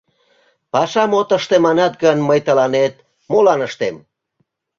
Пашам от ыште манат гын, мый тыланет молан ыштем?